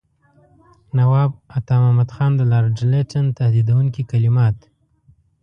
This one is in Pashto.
نواب عطامحمد خان د لارډ لیټن تهدیدوونکي کلمات.